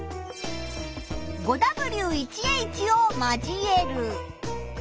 ５Ｗ１Ｈを交える。